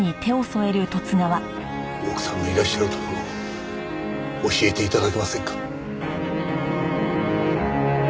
奥さんのいらっしゃるところを教えて頂けませんか？